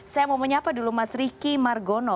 saya mau menyapa dulu mas riki margono